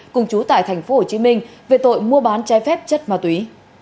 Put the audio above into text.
cùng chú tại thành phố hồ chí minh về tội mua bán trái phép chất ma túy